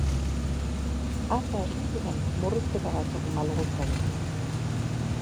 Atzo hasi ziren murrizketa batzuk malgutzen.